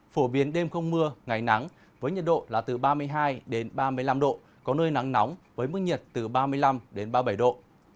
phổ biến đêm không mưa ngày nắng với nhiệt độ là từ ba mươi hai ba mươi năm độ có nơi nắng nóng với mức nhiệt từ ba mươi năm ba mươi bảy độ